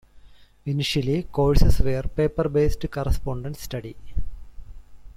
Initially courses were paper-based, correspondence study.